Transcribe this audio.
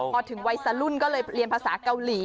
พอถึงวัยสรุ่นก็เลยเรียนภาษาเกาหลี